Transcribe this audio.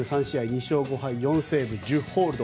２勝５敗４セーブ１０ホールド。